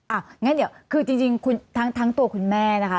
งั้นเดี๋ยวคือจริงทั้งตัวคุณแม่นะคะ